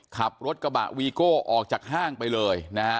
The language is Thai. ขับรถกระบะวีโก้ออกจากห้างไปเลยนะฮะ